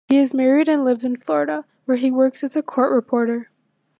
He is married and lives in Florida, where he works as a court reporter.